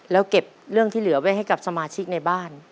แล้วเก็บเรื่องที่เหลือไว้ให้กับสมาชิกในบ้าน